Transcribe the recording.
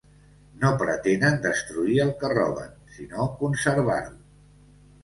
No pretenen destruir el que roben, sinó conservar-ho.